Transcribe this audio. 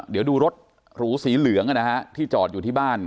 เดี๋ยวดูรถหรูสีเหลืองที่จอดอยู่ที่บ้าน